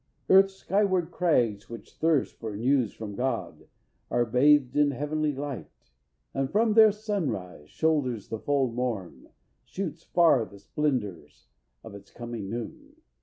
Earth's skyward crags, which thirst For news from God, are bathed in heavenly light, And from their sunrise shoulders the full morn Shoots far the splendors of its coming noon.